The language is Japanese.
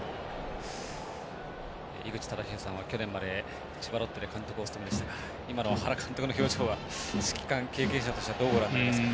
井口資仁さんは去年まで千葉ロッテで監督をお務めでしたが今の原監督の表情は指揮官経験者としてどうご覧になりますか？